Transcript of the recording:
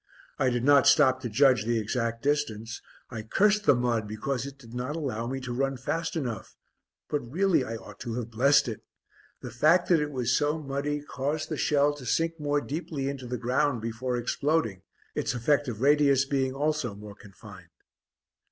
I did not stop to judge the exact distance. I cursed the mud because it did not allow me to run fast enough, but really I ought to have blessed it. The fact that it was so muddy caused the shell to sink more deeply into the ground before exploding, its effective radius being also more confined.